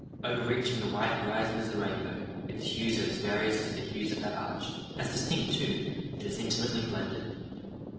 Overreaching the wide horizon as the rainbow, its hues are as various as the hues of that arch—as distinct too, yet as intimately blended.